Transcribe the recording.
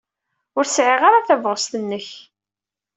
Ur sɛiɣ ara tabɣest-nnek.